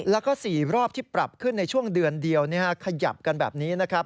แล้วก็๔รอบที่ปรับขึ้นในช่วงเดือนเดียวขยับกันแบบนี้นะครับ